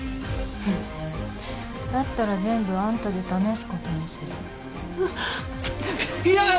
ふっだったら全部あんたで試すことにするあっいやっ！